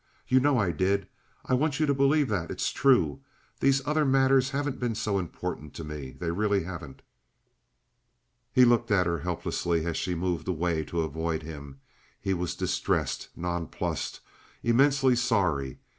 You know I did. I want you to believe that; it's true. These other matters haven't been so important to me—they really haven't—" He looked at her helplessly as she moved away to avoid him; he was distressed, nonplussed, immensely sorry.